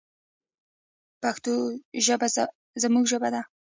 پښتو زموږ ژبه ده